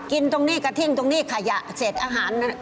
กินตรงนี้กระทิ่งตรงนี้ขยะเสร็จอาหาร